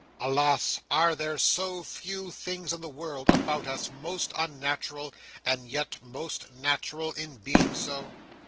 Alas! are there so few things in the world, about us, most unnatural, and yet most natural in being so?